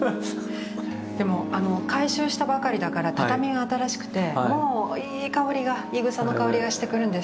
改修したばかりだから畳が新しくてもういい香りがいぐさの香りがしてくるんです。